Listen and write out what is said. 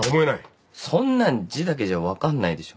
そんなん字だけじゃ分かんないでしょ。